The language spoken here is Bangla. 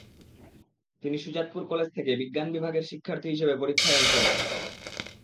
তিনি সুজাতপুর কলেজ থেকে বিজ্ঞান বিভাগের শিক্ষার্থী হিসেবে পরীক্ষায় অংশ নেন।